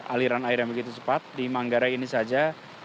aliran air yang begitu cepat di manggarai ini saja